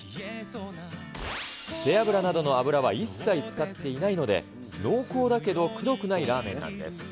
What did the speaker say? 背脂などの脂は一切使っていないので、濃厚だけど、くどくないラーメンなんです。